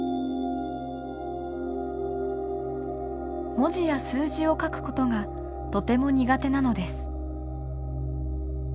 文字や数字を書くことがとても苦手なのです。